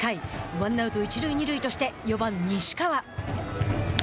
ワンアウト、一塁二塁として４番西川。